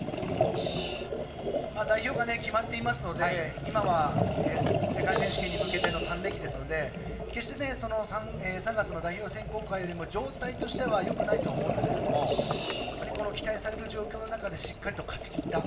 代表が決まっていますので今は、世界選手権に向けて決して３月の代表選考会よりも状態としてはよくないと思うんですけれども期待される状況の中でしっかりと勝ちきった。